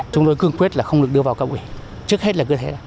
chúng tôi cương quyết là không được đưa vào các quỷ trước hết là cứ thế